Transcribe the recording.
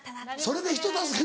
それで人助け